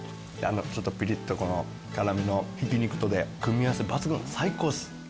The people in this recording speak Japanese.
ちょっとピリッと辛めのひき肉とで組み合わせ抜群最高っす。